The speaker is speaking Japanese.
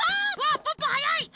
ポッポはやい！